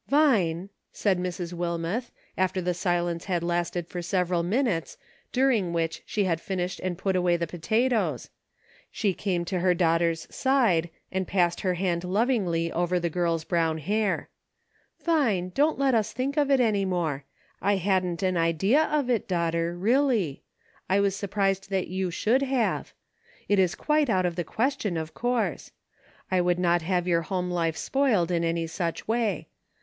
"Vine," said Mrs. Wilmeth, after the silence had lasted for several minutes, during which she had finished and put away the potatoes ; she came A PROVIDENCE. 2/9 to her daughter's side, and passed her hand lov ingly over the girl's brown hair. " Vine, don't let us think of it any more ; I hadn't an idea of it, daughter, really ; I was surprised that you should have. It is quite out of the question, of course. I would not have your home life spoiled in any such way.